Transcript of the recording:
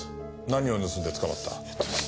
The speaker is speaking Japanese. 何を盗んで捕まった？